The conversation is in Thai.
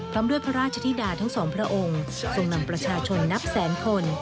พร้อมด้วยพระราชธิดาทั้งสองพระองค์ทรงนำประชาชนนับแสนคน